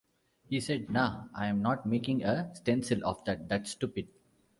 He said 'Nah, I'm not making a stencil of that, that's stupid!